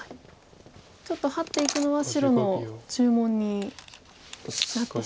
ちょっとハッていくのは白の注文になってしまう。